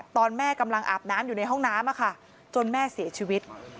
ตอนแม่กำลังอาบน้ำอยู่ในห้องน้ำจนแม่เสียชีวิต